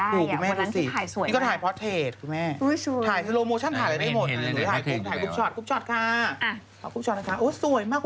แล้วมันเลือกสีได้อ่ะวันนั้นที่ถ่ายสวยมาก